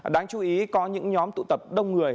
đáng chú ý có những nhóm tụ tập đông người